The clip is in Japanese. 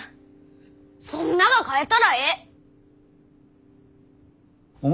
そんなが変えたらえい！